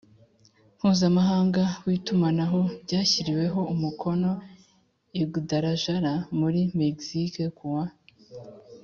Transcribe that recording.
Mpuzamahanga w itumanaho byashyiriweho umukono i guadalajara muri mexique kuwa